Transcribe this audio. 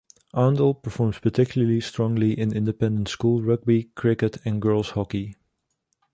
Oundle performs particularly strongly in independent school rugby, cricket and girls' hockey.